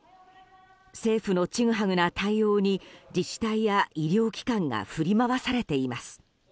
政府のちぐはぐな対応に自治体や医療機関が振り回されています。